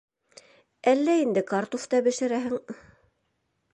Әллә инде картуф та бешерәһең...